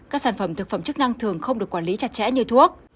các sản phẩm thực phẩm chức năng thường không được quản lý chặt chẽ như thuốc